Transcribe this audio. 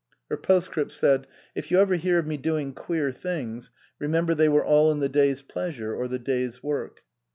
Her postscript said : "If you ever hear of me doing queer things, remember they were all in the day's pleasure or the day's work."